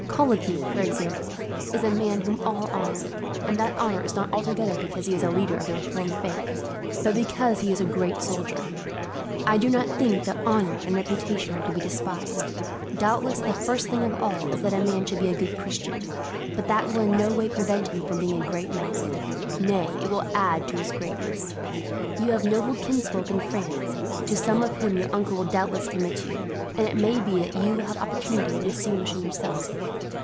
Coligny, for example, is a man whom all honour; and that honour is not altogether because he is leader of the reformed faith, but because he is a great soldier. I do not think that honour and reputation are to be despised. Doubtless the first thing of all is that a man should be a good Christian. But that will in no way prevent him from being a great man; nay, it will add to his greatness. "You have noble kinsfolk in France, to some of whom your uncle will doubtless commit you; and it may be that you will have opportunities of distinguishing yourself.